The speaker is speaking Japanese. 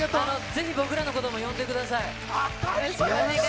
ぜひ僕らのことも呼んでくだ当たり前。